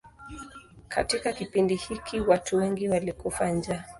Katika kipindi hiki watu wengi walikufa njaa.